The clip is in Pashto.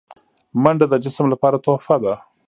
منډه د جسم لپاره تحفه ده